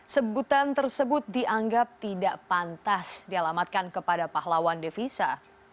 sebutan tersebut dianggap tidak pantas dialamatkan kepada pahlawan devisa